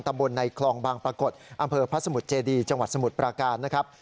ตำบลในคลองบางปรากฏอำเภอพระสมุทรเจดีจังหวัดสมุทรปราการนะครับ